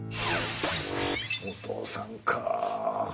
お父さんか。